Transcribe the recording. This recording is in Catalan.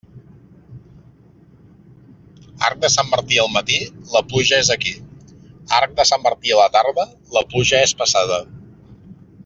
Arc de Sant Martí al matí, la pluja és aquí; arc de Sant Martí a la tarda, la pluja és passada.